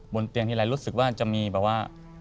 บนเตียงทีไรรู้สึกว่าจะมีแบบว่า